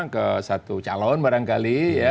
ke satu calon barangkali